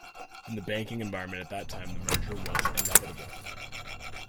In the banking environment at that time the merger was inevitable.